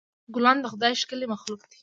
ګلان د خدای ښکلی مخلوق دی.